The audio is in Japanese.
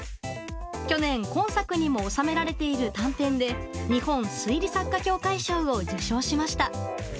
去年、今作にも収められている短編で日本推理作家協会賞を受賞しました。